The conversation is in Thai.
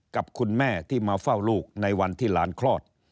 กับคุณแม่ที่มาเฝ้าลูกในวันที่หลานคลอด